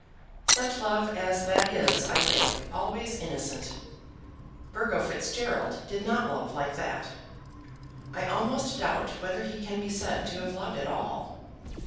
Such love as that is, I think, always innocent. Burgo Fitzgerald did not love like that. I almost doubt whether he can be said to have loved at all.